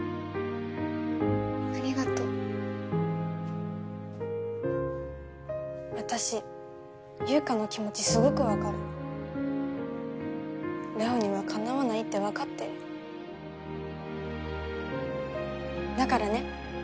ありがとう私優佳の気持ちすごく分かるれおにはかなわないって分かってるだからね